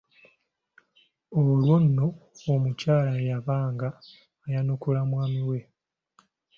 Olwo nno omukyala yabanga ayanukula mwami we.